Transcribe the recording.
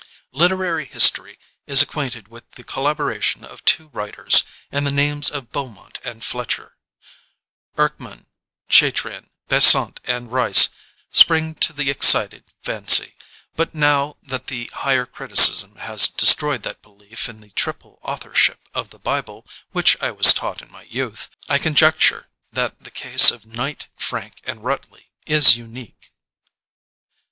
Literary history is acquainted with the collaboration of two writ ers, and the names of Beaumont and Fletcher, Erckman Chatrian, Besant and Rice spring to the excited fancy; but now that the higher criticism has destroyed that belief in the triple authorship of the Bible which I was taught in my youth, I 104 RAIN conjecture that the case of Knight, Frank and Rutley is unique.